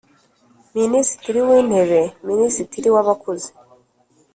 Minisitiri w’Intebe Minisitiri w’Abakozi